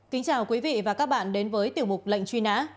kính chào quý vị và các bạn đến với tiểu mục lệnh truy nã